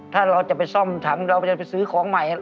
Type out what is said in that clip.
ถ้าเราจะไปซ่อมถังเราจะไปซื้อของใหม่